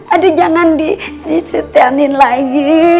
aduh jangan disetianin lagi